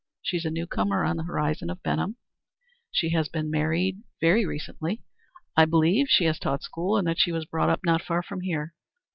She is a new comer on the horizon of Benham; she has been married very recently; I believe she has taught school and that she was brought up not far from here.